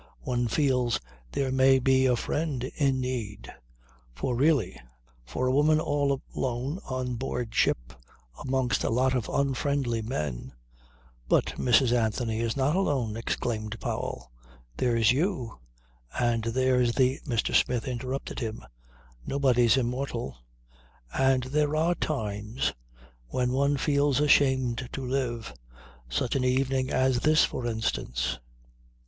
One feels there may be a friend in need. For really, for a woman all alone on board ship amongst a lot of unfriendly men ..." "But Mrs Anthony is not alone," exclaimed Powell. "There's you, and there's the ..." Mr. Smith interrupted him. "Nobody's immortal. And there are times when one feels ashamed to live. Such an evening as this for instance."